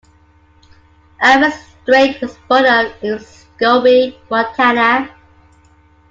Alvin Straight was born in Scobey, Montana.